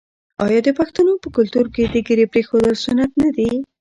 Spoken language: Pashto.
آیا د پښتنو په کلتور کې د ږیرې پریښودل سنت نه دي؟